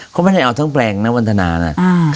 เขาไม่ได้เอาทั้งแปลงนะวันทนานะ